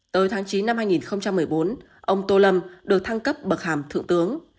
tới tháng chín năm hai nghìn một mươi bốn ông tô lâm được thăng cấp bậc hàm thượng tướng